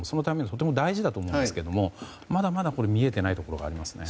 とても大事だと思うんですがまだまだ見えていないところがありますね。